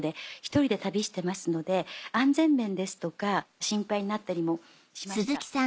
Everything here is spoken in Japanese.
１人で旅してますので安全面ですとか心配になったりもしました。